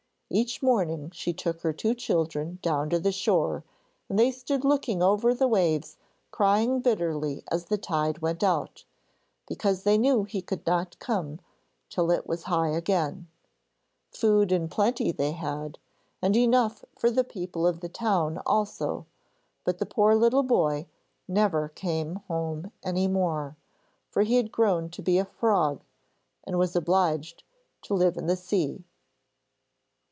Each morning she took her two children down to the shore and they stood looking over the waves crying bitterly as the tide went out, because they knew he could not come till it was high again. Food in plenty they had, and enough for the people of the town also, but the poor little boy never came home any more, for he had grown to be a frog, and was obliged to live in the sea.